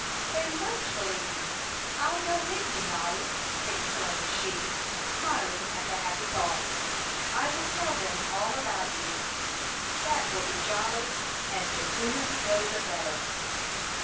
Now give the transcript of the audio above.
"They must believe you. I'll go with you, Noddy!" exclaimed she, smiling at the happy thought. "I will tell them all about you." "That will be jolly; and the sooner we go the better."